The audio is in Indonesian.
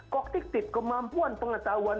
kognitif kemampuan pengetahuan